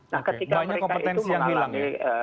nah ketika mereka itu mengalami